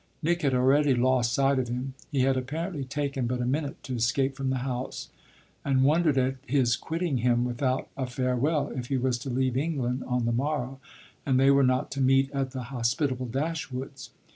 Nick had already lost sight of him he had apparently taken but a minute to escape from the house; and wondered at his quitting him without a farewell if he was to leave England on the morrow and they were not to meet at the hospitable Dashwood's.